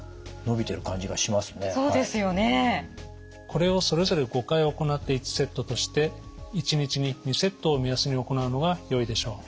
これをそれぞれ５回行って１セットとして１日に２セットを目安に行うのがよいでしょう。